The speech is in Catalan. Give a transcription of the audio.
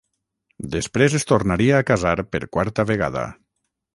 Després es tornaria a casar per quarta vegada.